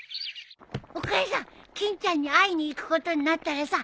お母さん欽ちゃんに会いに行くことになったらさ